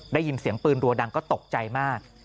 ได้ยินเสียงปืนรัวดังก็ตกใจมาก